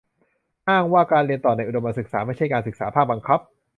อ้างว่า การเรียนต่อในอุดมศึกษาไม่ใช่การศึกษาภาคบังคับ